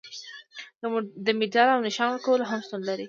د مډال او نښان ورکول هم شتون لري.